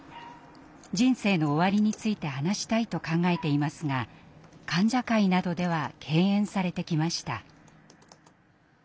人生の終わりについて話したいと考えていますが患者会などでは敬遠されてきました。